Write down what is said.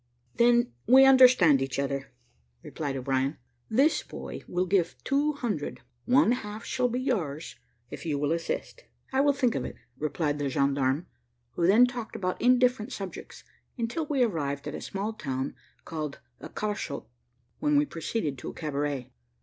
"Then we understand each other," replied O'Brien; "this boy will give two hundred one half shall be yours, if you will assist." "I will think of it," replied the gendarme, who then talked about indifferent subjects, until we arrived at a small town called Acarchot, when we proceeded to a cabaret.